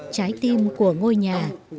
trái tim của ngôi nhà